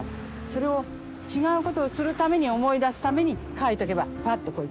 それを違うことをするために思い出すために書いとけばパッとこう。